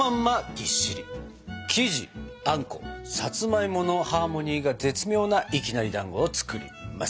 生地あんこさつまいものハーモニーが絶妙ないきなりだんごを作ります！